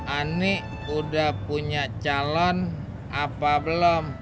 ani udah punya calon apa belum